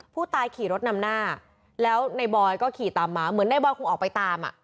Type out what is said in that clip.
ผู้ตายขี่รถนำหน้าแล้วในบอยก็ขี่ตามมาเหมือนในบอยคงออกไปตามอ่ะ